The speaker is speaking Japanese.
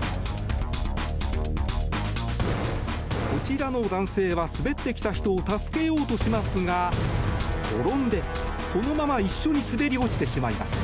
こちらの男性は、滑ってきた人を助けようとしますが転んで、そのまま一緒に滑り落ちてしまいます。